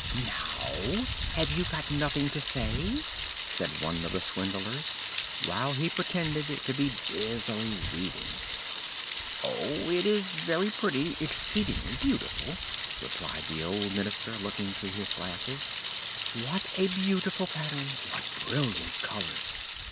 "Now, have you got nothing to say?" said one of the swindlers, while he pretended to be busily weaving. "Oh, it is very pretty, exceedingly beautiful," replied the old minister looking through his glasses. "What a beautiful pattern, what brilliant colours!